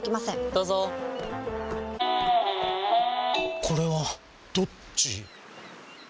どうぞこれはどっち？